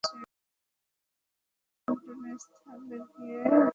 সকালে ঘটনাস্থলে গিয়ে দেখা যায়, সড়কের পাশে খাদেই পড়ে আছে লাশ দুটি।